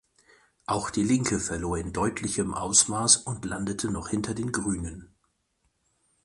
Auch die Linke verlor in deutlichem Ausmaß und landete noch hinter den Grünen.